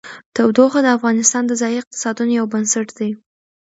تودوخه د افغانستان د ځایي اقتصادونو یو بنسټ دی.